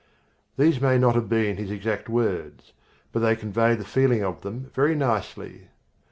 These may not have been his exact words. But they convey the feeling of them very nicely.